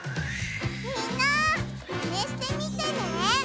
みんなマネしてみてね！